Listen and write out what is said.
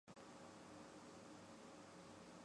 窦氏是大司空窦融的曾孙女。